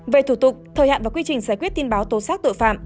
về thủ tục thời hạn và quy trình giải quyết tin báo tố xác tội phạm